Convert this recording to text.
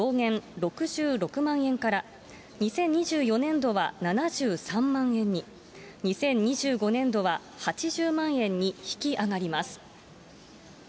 ６６万円から、２０２４年度は７３万円に、２０２５年度は８０万円に引き上がります。